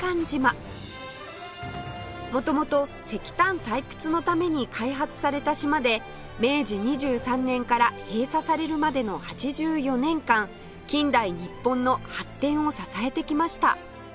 元々石炭採掘のために開発された島で明治２３年から閉鎖されるまでの８４年間近代日本の発展を支えてきました